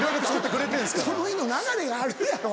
その日の流れがあるやろ。